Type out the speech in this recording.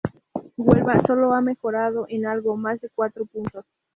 Huelva solo ha mejorado en algo más de cuatro puntos.